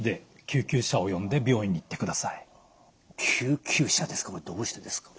救急車ですか。